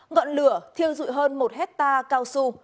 ngọn lửa thiêu dụi hơn một hectare cao su